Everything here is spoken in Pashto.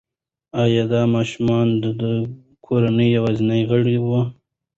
ایا دا ماشوم د دې کورنۍ یوازینی غړی دی؟